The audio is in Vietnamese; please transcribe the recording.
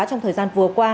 trong thời gian vừa qua